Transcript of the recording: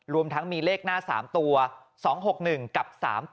รวมทั้งมีเลขหน้า๓ตัว๒๖๑กับ๓๘